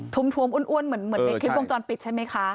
วมอ้วนเหมือนในคลิปวงจรปิดใช่ไหมคะ